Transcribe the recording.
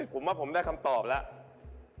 ผมว่าผมได้คำตอบแล้ว